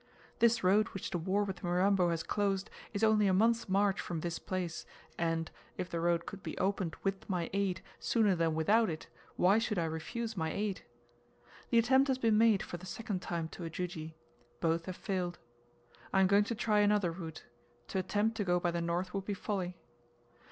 This road which the war with Mirambo has closed, is only a month's march from this place, and, if the road could be opened with my aid, sooner than without it, why should I refuse my aid? The attempt has been made for the second time to Ujiji both have failed. I am going to try another route; to attempt to go by the north would be folly.